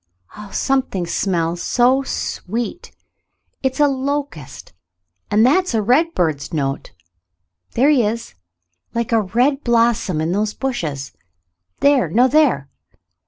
Oh, something smells so sweet ! It's a locust ! And that's a redbird's note. There he is, like a red blossom in those bushes. There — no, there.